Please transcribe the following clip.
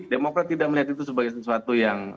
demokrat tidak melihat itu sebagai sesuatu yang